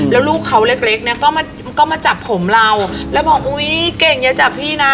แล้วลูกเขาเล็กก็มาจับผมเราแล้วบอกอุ๊ยเก่งอย่าจับพี่นะ